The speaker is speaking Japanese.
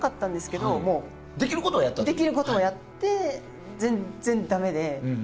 できることはやって全然駄目で。